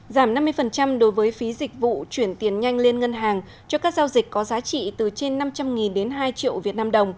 giảm năm mươi đối với phí dịch vụ chuyển tiền nhanh lên ngân hàng cho các giao dịch có giá trị từ trên năm trăm linh đến hai triệu vnđ